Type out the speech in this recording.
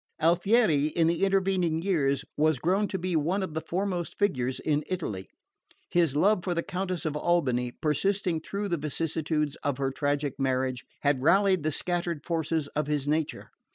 Alfieri, in the intervening years, was grown to be one of the foremost figures in Italy. His love for the Countess of Albany, persisting through the vicissitudes of her tragic marriage, had rallied the scattered forces of his nature.